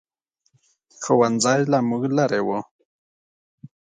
ښوؤنځی له موږ لرې ؤ